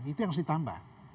itu yang harus ditambah